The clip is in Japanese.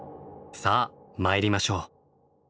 さあ参りましょう。